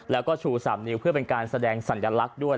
แล้วก็ชู๓นิ้วเพื่อเป็นการแสดงสัญลักษณ์ด้วย